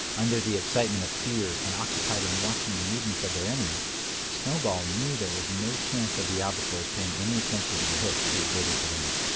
Under the excitement of fear, and occupied in watching the movements of their enemy, Snowball knew there was no chance of the albacores paying any attention to the hooks he had baited for them.